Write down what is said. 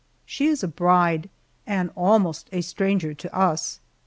She is a bride and almost a stranger to us.